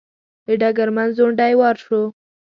د ډګرمن ځونډي وار شو.